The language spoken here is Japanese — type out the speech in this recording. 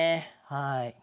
はい。